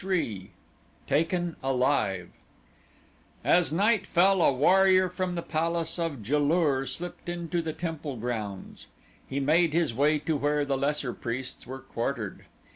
23 Taken Alive As night fell a warrior from the palace of Ja lur slipped into the temple grounds. He made his way to where the lesser priests were quartered.